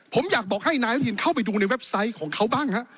ผมอยากบอกให้นายอนุทินเข้าไปดูในเว็บไซต์ของเขาบ้างฮะ